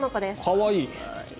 可愛い。